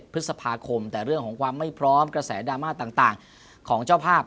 พฤษภาคมแต่เรื่องของความไม่พร้อมกระแสดราม่าต่างของเจ้าภาพ